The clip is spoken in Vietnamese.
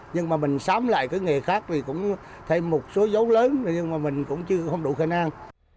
nhưng mà mình xóm lại cái nghề khác thì cũng thêm một số dấu lớn nhưng mà mình cũng chưa không đủ khả năng